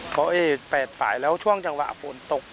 เขา๘ฝ่ายแล้วช่วงจังหวะฝนตก